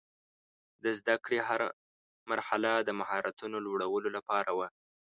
د زده کړې هره مرحله د مهارتونو لوړولو لپاره وه.